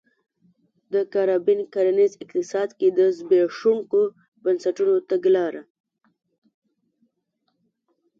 د کارابین کرنیز اقتصاد کې د زبېښونکو بنسټونو تګلاره